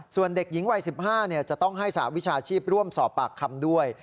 ส่วนเด็กหญิงวัย๑๕จะต้องให้สหวิชาชีพร่วมสอบปากคำด้วย